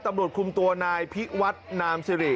ตำรวจคุมตัวนายพิวัฒน์นามสิริ